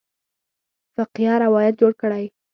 فقیه روایت جوړ کړی.